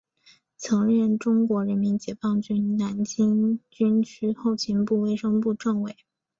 曾任中国人民解放军南京军区后勤部卫生部政委。